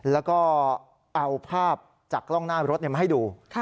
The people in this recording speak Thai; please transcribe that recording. แล้วก็เอาภาพจากกล้องหน้ารถมาให้ดู